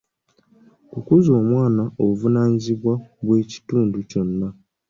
Okukuza omwana buvunaanyizibwa bwa kitundu kyonna.